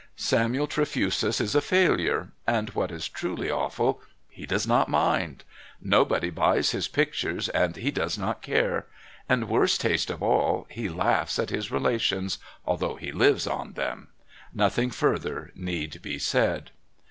Samuel Trefusis is a failure, and, what is truly awful, he does not mind; nobody buys his pictures and he does not care; and, worst taste of all, he laughs at his relations, although he lives on them. Nothing further need be said.